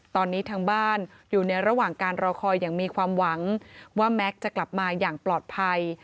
ตอนนี้ทางบ้านอยู่ในระหว่างการรอคอยอย่างมีความหวังว่าแม็กซ์จะกลับมาอย่างปลอดภัย